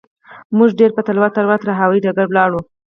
موږ ډېر په تلوار تلوار تر هوايي ډګره ولاړو.